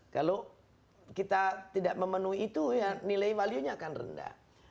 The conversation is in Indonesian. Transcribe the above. kalau kita tidak memenuhi itu ya nilai value nya akan rendah